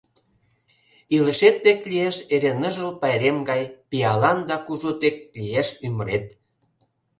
Илышет тек лиеш эре ныжыл пайрем гай, Пиалан да кужу тек лиеш ӱмырет.